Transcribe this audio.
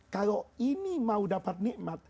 kalau ini mau dapat nikmat